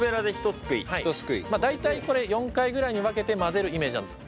大体これ４回ぐらいに分けて混ぜるイメージなんです。